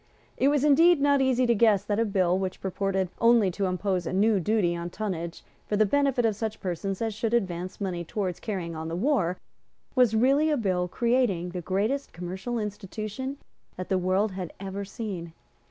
It was indeed not easy to guess that a bill, which purported only to impose a new duty on tonnage for the benefit of such persons as should advance money towards carrying on the war, was really a bill creating the greatest commercial institution that the world had ever seen.